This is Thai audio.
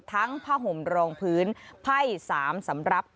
ผ้าห่มรองพื้นไพ่๓สำหรับ